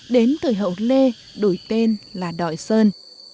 đến thời hậu lê đổi tên là đội sơn